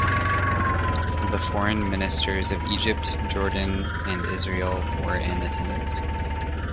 The foreign ministers of Egypt, Jordan and Israel were in attendance.